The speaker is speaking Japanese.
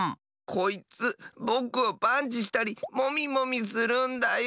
こいつぼくをパンチしたりモミモミするんだよ。